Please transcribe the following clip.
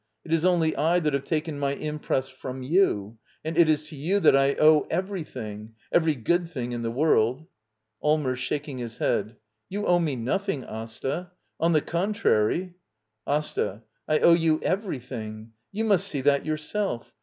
It is only I that have taken j^^jif^ impress from you. And it is to you that I owe everything — every good thing in the world. Allmers. [Shaking his head.] You owe me nothing, Asta. On the contrary — AsTA. I owe you everything! You must see that yourself.